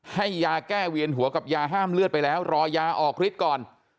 ให้ยาแก้เวียนหัวกับยาห้ามเลือดไปแล้วรอยาออกฤทธิ์ก่อน